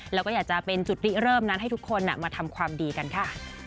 แล้วก็อยากจะเป็นจุดริเริ่มนั้นให้ทุกคนมาทำความดีกันค่ะ